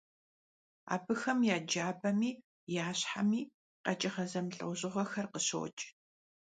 Abıxem ya cabemi ya şhemi kheç'ığe zemılh'eujığuexer khışoç'.